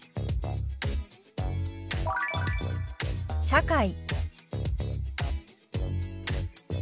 「社会」。